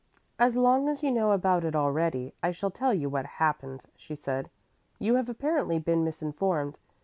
"As long as you know about it already, I shall tell you what happened," she said. "You have apparently been misinformed.